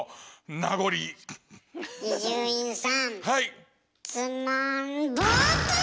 はい！